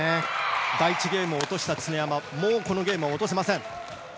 第１ゲーム落とした常山はこのゲームを落とせません。